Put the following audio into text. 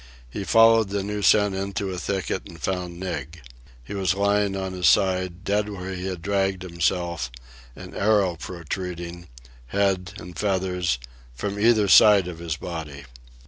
He followed the new scent into a thicket and found Nig. He was lying on his side, dead where he had dragged himself, an arrow protruding, head and feathers, from either side of his body.